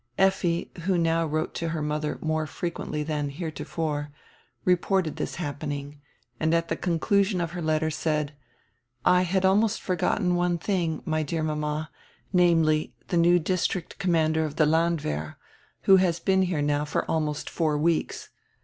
Effi, who now wrote to her mother more frequently than heretofore, reported this happening, and at die conclusion of her letter said: "I had almost forgotten one thing, my dear mama, viz., die new district commander of the landwehr, who has been here now for almost four weeks.